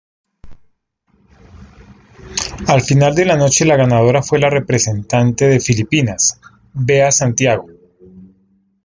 Al final de la noche, la ganadora fue la representante de Filipinas, Bea Santiago.